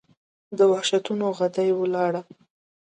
د وحشتونو ، غدۍ وَلاړه